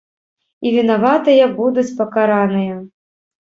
І вінаватыя будуць пакараныя.